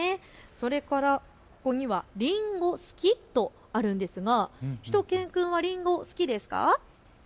それからここにはりんご好き？とあるんですが、しゅと犬くんはりんご好きですか？